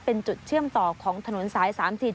เป็นจุดเชื่อมต่อของถนนสาย๓๐